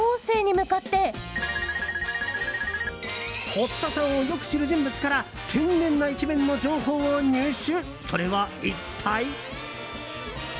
堀田さんをよく知る人物から天然な一面の情報を入手。